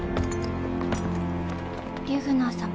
リュグナー様